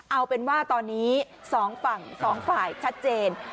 เอาเป็นว่าตอนนี้๒ฝั่ง๒ฝ่ายชัดเจน